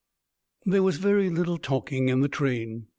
There was very little talking in the train.